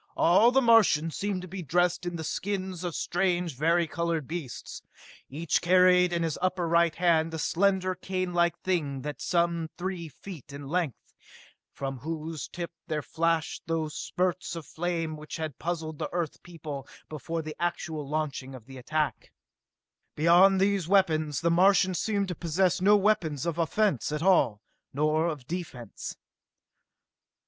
All the Martians seemed to be dressed in the skins of strange, vari colored beasts. Each carried in his upper right hand a slender canelike thing some three feet in length, from whose tip there flashed those spurts of flame which had puzzled the Earth people before the actual launching of the attack. Beyond these weapons, the Martians seemed to possess no weapons of offense at all, nor of defense.